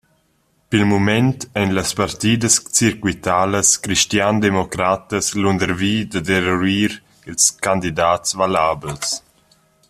Pil mument ein las partidas circuitalas cristiandemocratas lundervi dad eruir ils candidats valabels.